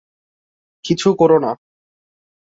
কিছু করো না।